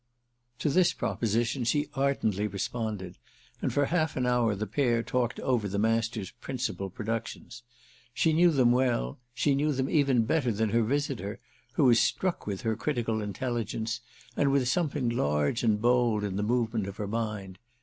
To this proposition she ardently responded, and for half an hour the pair talked over the Master's principal productions. She knew them well—she knew them even better than her visitor, who was struck with her critical intelligence and with something large and bold in the movement in her mind.